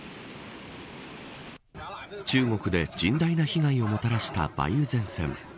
中国で甚大な被害をもたらした梅雨前線。